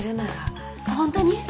本当に？